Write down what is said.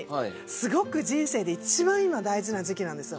すごく人生で一番今大事な時期なんですよ。